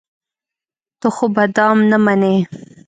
ته خو به دام نه منې.